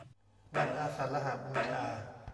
วันอาสาฬหบูชา